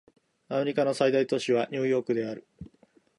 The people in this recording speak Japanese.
アメリカの最大都市はニューヨークである